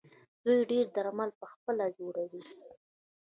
دوی ډیری درمل پخپله جوړوي.